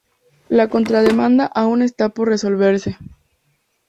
La contra-demanda aun esta por resolverse.